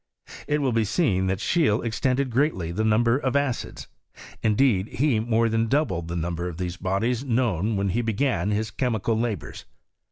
It will be seen that Scheele extended greatly the number of acids ; indeed, he more than doubled the number of these bodies known when he began hia chemical labours.